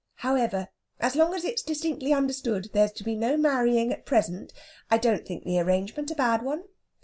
However, as long as it's distinctly understood there's to be no marrying at present, I don't think the arrangement a bad one.